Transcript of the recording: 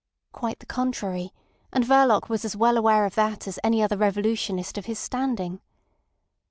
Quite the contrary; and Verloc was as well aware of that as any other revolutionist of his standing.